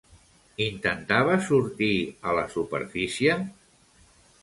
Intentava sortir a la superfície?